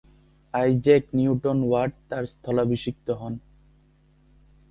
Isaac Newton Watt তার স্থলাভিষিক্ত হন।